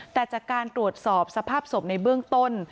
แต่จากการตรวจสอบสภาพศพในเบื้องต้น